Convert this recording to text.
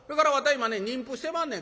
今ね人夫してまんねん。